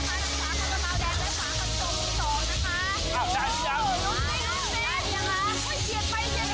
สำหรับจังหวัดอาทิตย์อาชีพจะเป็นคนช้ากรรม